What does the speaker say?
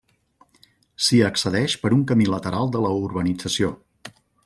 S'hi accedeix per un camí lateral de la urbanització.